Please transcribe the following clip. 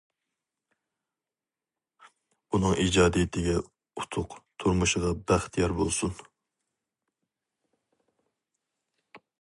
ئۇنىڭ ئىجادىيىتىگە ئۇتۇق، تۇرمۇشىغا بەخت يار بولسۇن!